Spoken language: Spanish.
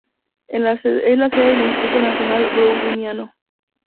Es la sede del Instituto Nacional Browniano.